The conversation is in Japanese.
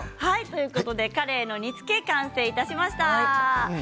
カレイの煮つけ完成いたしました。